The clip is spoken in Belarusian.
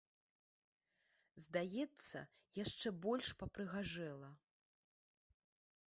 Здаецца, яшчэ больш папрыгажэла.